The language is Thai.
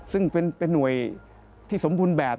ซึ่งเป็นหน่วยที่สมบูรณ์แบบ